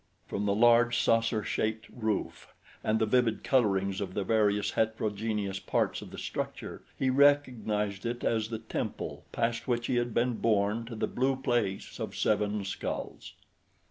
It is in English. From the large saucer shaped roof and the vivid colorings of the various heterogeneous parts of the structure he recognized it as the temple past which he had been borne to the Blue Place of Seven Skulls.